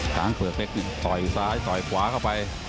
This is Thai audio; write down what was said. ขังเผื่อเพศนึกต่อยซ้ายต่อยขวาเข้าไป